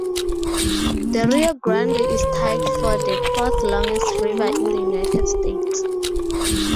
The Rio Grande is tied for the fourth-longest river in the United States.